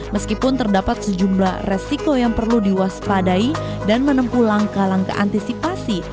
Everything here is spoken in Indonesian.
meskipun terdapat sejumlah resiko yang perlu diwaspadai dan menempuh langkah langkah antisipasi